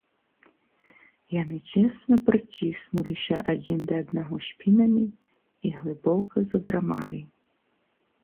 Яны цесна прыціснуліся адзін да аднаго спінамі і глыбока задрамалі.